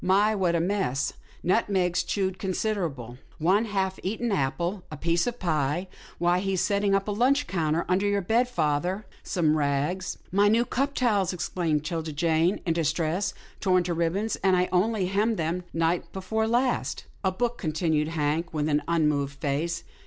" My, what a mess. Nutmegs chewed considerable, one apple half eaten, a piece of pie — why, he's set ting up a lunch counter under your bed, father — some rags —"" My new cup towels," exclaimed 'Tilda Jane, in distress, " torn to ribbons, and I only hemmed them night before last." " A book," continued Hank with an unmoved face.